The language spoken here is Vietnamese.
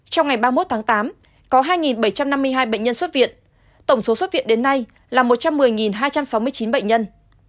trong ngày ba mươi một tháng tám có hai bảy trăm năm mươi hai bệnh nhân xuất viện tổng số xuất viện đến nay là một trăm một mươi hai trăm sáu mươi chín bệnh nhân